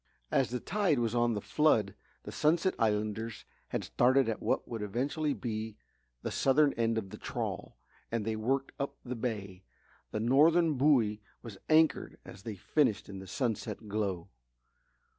As the tide was on the flood the Sunset Islanders had started at what would eventually be the southern end of the trawl and they worked up the bay. The northern buoy was anchored as they finished in the sunset glow.